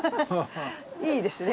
いいですね